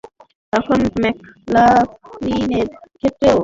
এখন ম্যাকলাফলিনের ক্ষেত্রেও একই শাস্তি কেন হবে না, এমন দাবি তুলেছেন অনেকে।